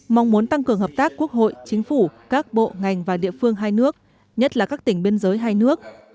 mong muốn tăng cường hợp tác quốc hội chính phủ các bộ ngành và địa phương hai nước nhất là các tỉnh biên giới hai nước